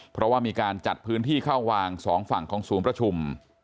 เพราะว่ามีการจัดพื้นที่เข้าวางสองฝั่งของศูนย์ประชุม